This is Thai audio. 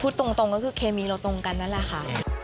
ตรงก็คือเคมีเราตรงกันนั่นแหละค่ะ